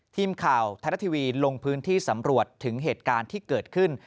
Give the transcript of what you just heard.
ทีมข่าวไทยรัฐทีวีลงพื้นที่สำรวจถึงเหตุการณ์ที่เกิดขึ้น